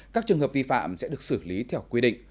các trường hợp vi phạm sẽ được xử lý theo quy định